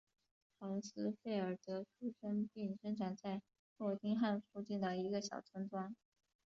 豪斯费尔德出生并生长在诺丁汉附近的一个小村庄。